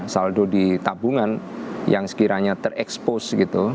saldo di tabungan yang sekiranya terekspos gitu